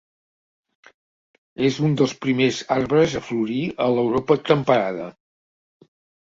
És un dels primers arbres a florir a l'Europa temperada.